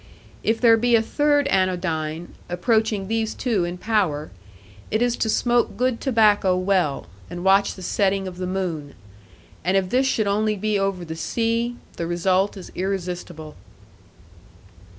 If there be a third anodyne, approaching these two in power, it is to smoke good tobacco well, and watch the setting of the moon; and if this should only be over the sea, the result is irresistible.